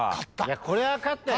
勝った。